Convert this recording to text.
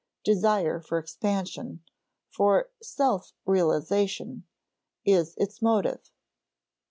Desire for expansion, for "self realization," is its motive.